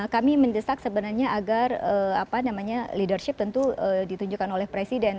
kami mendesak sebenarnya agar leadership tentu ditunjukkan oleh presiden